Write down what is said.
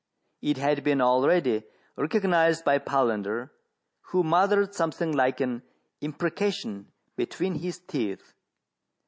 It had been already recognized by Palander, who muttered something like an imprecation between his teeth.